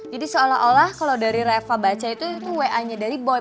jadi seolah olah kalo dari reva baca itu itu wa nya dari boy